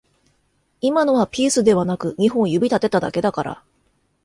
今のはピースではなく二本指立てただけだから